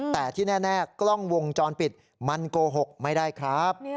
แต่ที่แน่กล้องวงจรปิดมันโกหกไม่ได้ครับ